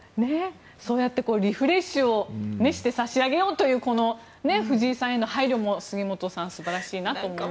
そうやってリフレッシュをしてさしあげようというこの藤井さんへの配慮も杉本さん素晴らしいなと思います。